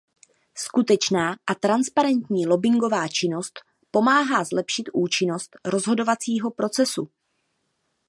Skutečná a transparentní lobbingová činnost pomáhá zlepšit účinnost rozhodovacího procesu.